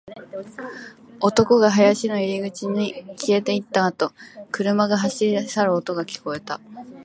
男が林の入り口に消えていったあと、車が走り去る音が聞こえた